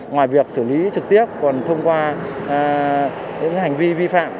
ngoài việc xử lý trực tiếp còn thông qua những hành vi vi phạm